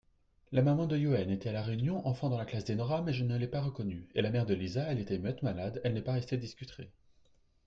la maman de Youenn (était à la réunion, enfant dans la classe d'Enora, mais je ne l'ai pas reconnue) et la mère de Liza (elle était muette, malade, elle n'est pas restée discutrer).